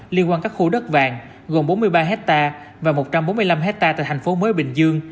liên quan các khu đất vàng gồm bốn mươi ba hectare và một trăm bốn mươi năm hectare tại thành phố mới bình dương